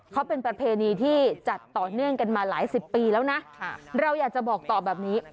เขาเป็นประเพณีที่จัดต่อเนื่องกันมาหลายสิบปีแล้วนะเราอยากจะบอกต่อแบบนี้